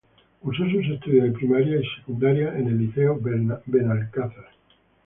Cursó sus estudios de primaria y secundaria en el Liceo Benalcázar.